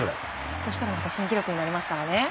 そしたらまた新記録になります。